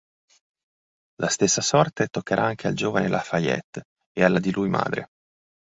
La stessa sorte toccherà anche al giovane La Fayette e alla di lui madre.